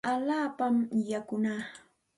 Allaapami yakunaa.